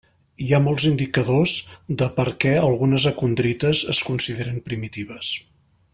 Hi ha molts indicadors de per què algunes acondrites es consideren primitives.